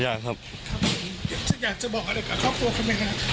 หย้าครับถ้าอยากจะบอกอะไรก็ครอบครัวเขาไหมฮะ